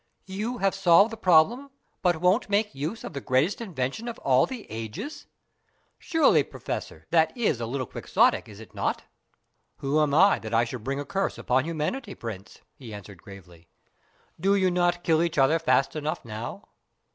"You have solved the problem, and won't make use of the greatest invention of all the ages! Surely, Professor, that is a little quixotic, is it not?" "Who am I that I should bring a curse upon humanity, Prince?" he answered gravely. "Do you not kill each other fast enough now?